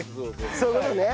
そういう事ね。